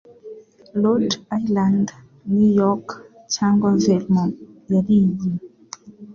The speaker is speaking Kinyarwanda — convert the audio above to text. Rhode Island, New York, cyangwa Vermont yari iyi: